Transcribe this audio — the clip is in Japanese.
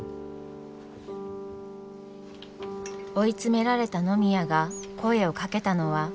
追い詰められた野宮が声をかけたのは。